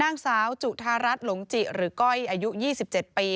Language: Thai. นางสาวจุธารัฐหลงจิหรือก้อยอายุ๒๗ปี